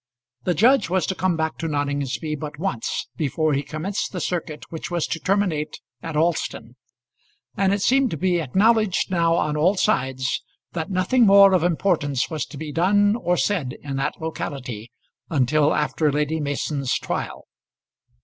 The judge was to come back to Noningsby but once before he commenced the circuit which was to terminate at Alston; and it seemed to be acknowledged now on all sides that nothing more of importance was to be done or said in that locality until after Lady Mason's trial.